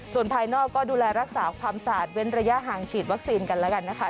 ส่วนภายนอกก็ดูแลรักษาความสะอาดเว้นระยะห่างฉีดวัคซีนกันแล้วกันนะคะ